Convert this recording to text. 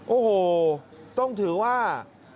โอ้โหต้องถือว่า